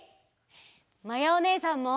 まやおねえさんも。